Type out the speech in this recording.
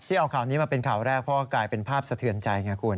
เอาข่าวนี้มาเป็นข่าวแรกเพราะว่ากลายเป็นภาพสะเทือนใจไงคุณ